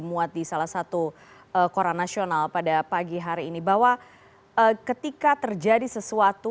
muat di salah satu koran nasional pada pagi hari ini bahwa ketika terjadi sesuatu